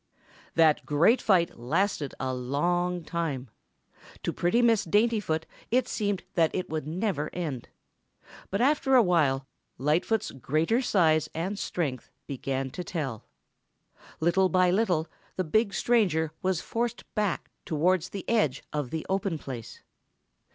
That great fight lasted a long time. To pretty Miss Daintyfoot it seemed that it never would end. But after a while Lightfoot's greater size and strength began to tell. Little by little the big stranger was forced back towards the edge of the open place.